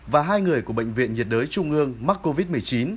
và hai người của bệnh viện nhiệt đới trung ương mắc covid một mươi chín